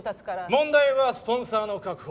問題はスポンサーの確保。